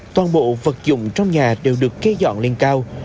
toàn bộ vật dụng trong nhà đều được kê dọn lên cao